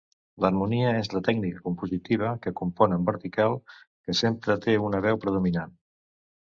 L'harmonia és la tècnica compositiva que compon en vertical, que sempre té una veu predominant.